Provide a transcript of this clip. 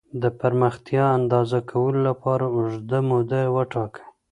د پرمختيا اندازه کولو لپاره اوږده موده وټاکئ.